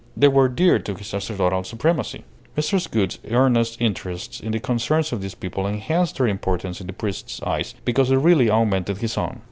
They were dear to his sacerdotal supremacy. Mrs. Gould's earnest interest in the concerns of these people enhanced their importance in the priest's eyes, because it really augmented his own.